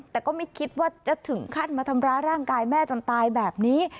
แต่ก็ไม่คิดว่าจะถึงขั้นมาทำร้ายร่างกายแม่จนตายแบบนี้